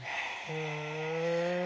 へえ。